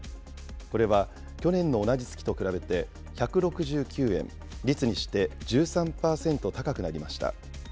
これは去年の同じ月と比べて１６９円、率にして１３％高くなりました。